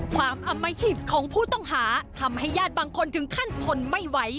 ความอมหิตของผู้ต้องหาทำให้ญาติบางคนถึงขั้นทนไม่ไหว